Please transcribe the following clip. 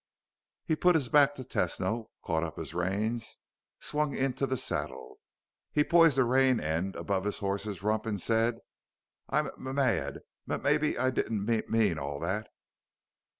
He put his back to Tesno, caught up his reins, and swung into the saddle. He poised a rein end above his horse's rump and said, "I'm m mad. M maybe I didn't m mean all that."